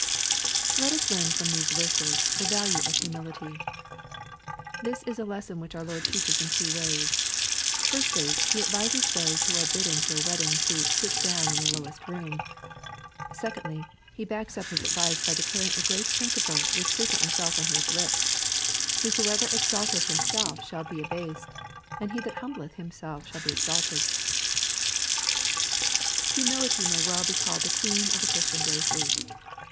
Let us learn from these verses the value of humility. This is a lesson which our Lord teaches in two ways. Firstly, He advises those who are bidden to a wedding to " sit down in the lowest room.'* Secondly, He backs up His advice by declaring a great principle, which frequently fell from His lips :—" Whosoever exalteth himself shall be abased, and he that humbleth himself shall be exalted." Humility may well be called the queen of the Christian graces.